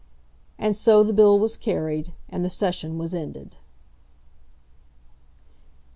And so the bill was carried, and the session was ended.